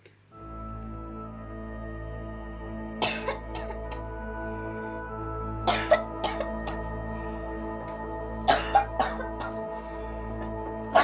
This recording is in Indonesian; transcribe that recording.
kamu pasti akan kelihatan lebih cantik dan menarik